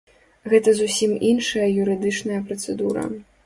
Гэта зусім іншая юрыдычная працэдура.